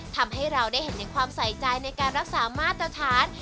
ทำให้เราได้เห็นถึงความใส่ใจในการรักษามาตรฐาน